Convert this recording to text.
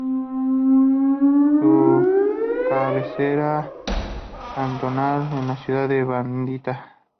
Su cabecera cantonal es la ciudad de La Bonita.